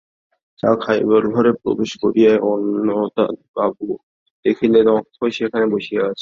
চা খাইবার ঘরে প্রবেশ করিয়াই অন্নদাবাবু দেখিলেন, অক্ষয় সেখানে বসিয়া আছে।